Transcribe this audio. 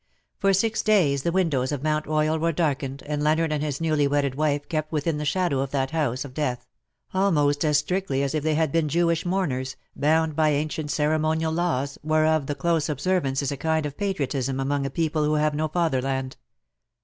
For six days the windows of Mount E/Oyal were darkened, and Leonard and his newly wedded wife kept within the shadow of that house of death, almost as strictly as if they had been Jewish mourners,, bound by ancient ceremonial laws^ whereof the close observance is a kind of patriotism among a people who have no fatherland.